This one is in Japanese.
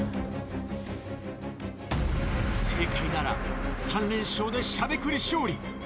正解なら３連勝で『しゃべくり』勝利！